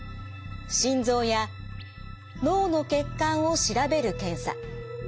心臓や脳の血管を調べる検査。